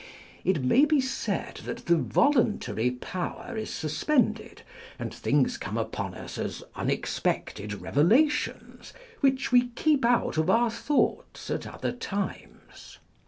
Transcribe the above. It may be said that the voluntary power is suspended, and things come upon us as unexpected revelations, which we keep out of our thoughts at other times.